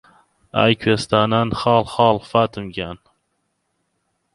ئای کوێستانان خاڵ خاڵ فاتم گیان